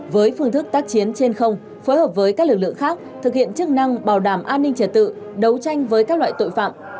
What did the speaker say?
với phương thức tác chiến trên không phối hợp với các lực lượng khác thực hiện chức năng bảo đảm an ninh trật tự đấu tranh với các loại tội phạm